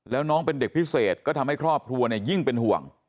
แล้วน้องเป็นเด็กพิเศษก็ทำให้ครอบครัวยิ่งเป็นห่วง